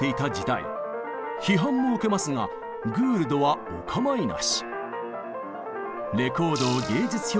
批判も受けますがグールドはお構いなし。